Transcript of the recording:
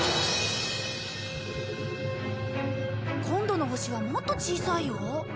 今度の星はもっと小さいよ。